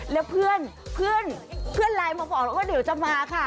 แล้วเพื่อนเพื่อนไลน์มาบอกว่าเดี๋ยวจะมาค่ะ